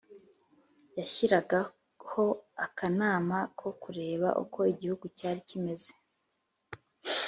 yashyiraga ho akanama ko kureba uko igihugu cyari kimeze.